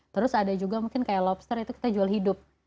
terus ada juga mungkin kayak lobster itu kita jual hidup